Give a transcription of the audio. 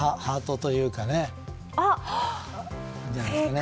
ハートというかね。